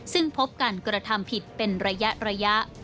ซึ่งพบการกระทำผิดเป็นระยะ